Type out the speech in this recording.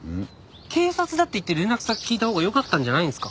警察だって言って連絡先聞いたほうがよかったんじゃないんすか？